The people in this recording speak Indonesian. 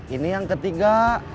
ini yang ketiga